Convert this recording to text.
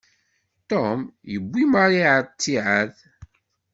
Ṭum yewwi Mari ɣer ttiɛad.